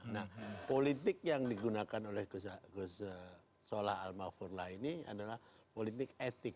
nah politik yang digunakan oleh ghosnola al mawfurla ini adalah politik etik